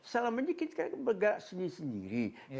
salah sedikit kan bergerak sendiri sendiri